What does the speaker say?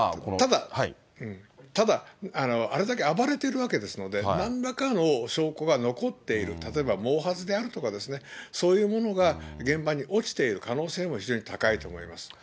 ただあれだけ暴れてるわけですので、なんらかの証拠が残っている、例えば毛髪であるとかですね、そういうものが現場に落ちている可能性も非常に高いと思います。